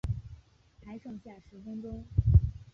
还剩下十分钟